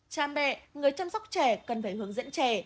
cha mẹ người chăm sóc trẻ cần phải hướng dẫn trẻ